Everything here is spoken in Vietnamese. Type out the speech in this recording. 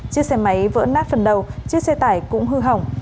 chiếc xe máy vỡ nát phần đầu chiếc xe tải cũng hư hỏng